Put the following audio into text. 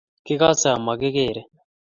Kigasee ama kigerei